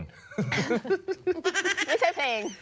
ไม่ใช่เพลง